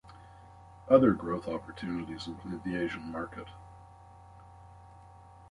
Other growth opportunities include the Asian market.